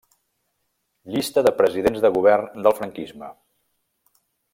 Llista de presidents de Govern del Franquisme.